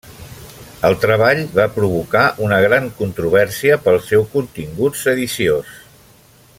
El treball va provocar una gran controvèrsia pel seu contingut sediciós.